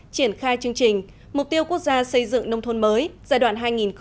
triển khai chương trình mục tiêu quốc gia xây dựng nông thôn mới giai đoạn hai nghìn hai mươi một hai nghìn hai mươi